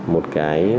một cái bản